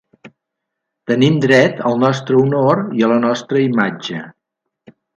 Tenim dret al nostre honor i a la nostra imatge.